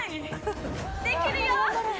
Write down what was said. できるよ！